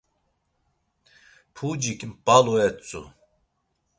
Pucik mp̌alu etzu.